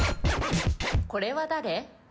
これは誰？